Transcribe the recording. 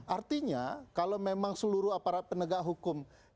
artinya kalau memang seluruh aparat penegak hukum